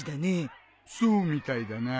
そうみたいだな。